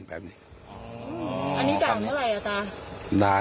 อันนี้เจ้าหาอยู่เมื่อไหร่วะตา